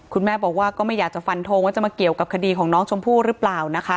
คุณแม่บอกว่าก็ไม่อยากจะฟันทงว่าจะมาเกี่ยวกับคดีของน้องชมพู่หรือเปล่านะคะ